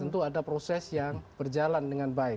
tentu ada proses yang berjalan dengan baik